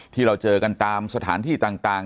ที่เราเจอกันตามสถานที่ต่าง